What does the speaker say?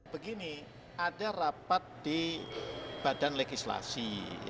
begini ada rapat di badan legislasi